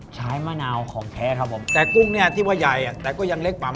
มะนาวของแท้ครับผมแต่กุ้งเนี่ยที่ว่าใหญ่แต่ก็ยังเล็กกว่า